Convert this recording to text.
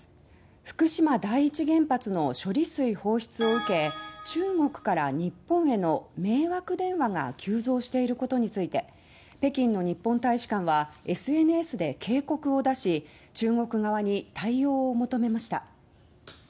福島第一原発の処理水放出を受け中国から日本への迷惑電話が急増していることについて北京の日本大使館はＳＮＳで警告を出し中国側に対応を求めました。